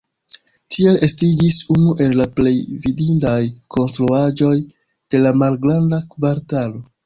Tiel estiĝis unu el la plej vidindaj konstruaĵoj de la Malgranda Kvartalo.